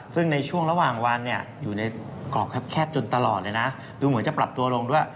ซึ่งในช่วงระหว่างวันเนี่ยอยู่ในกรอบแคบจนตลอดเลยนะดูเหมือนจะปรับตัวลงด้วย